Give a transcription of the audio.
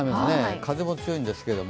風も強いですけれども。